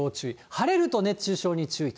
晴れると、熱中症に注意。